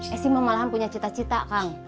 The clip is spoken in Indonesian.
esi mah malahan punya cita cita kang